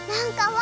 わ！